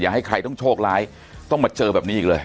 ให้ใครต้องโชคร้ายต้องมาเจอแบบนี้อีกเลย